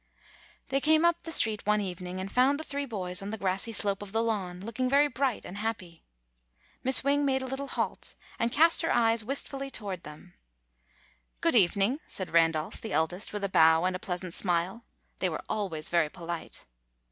They came up the street one evening, and found the three boys on the grassy slope of the lawn, looking very bright and happy. [ 103 ] AN EASTER LILY Miss Wing made a little halt, and cast her eyes wistfully toward them. ''Good evening," said Randolph, the eldest, with a bow and a pleasant smile. They were always very polite.